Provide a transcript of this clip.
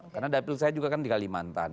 karena dapil saya juga kan di kalimantan